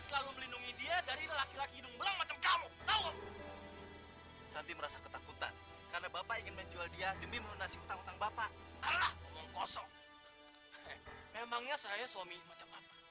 sampai jumpa di video selanjutnya